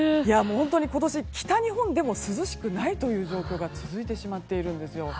本当に今年は北日本でも涼しくない状況が続いてしまっているんですよ。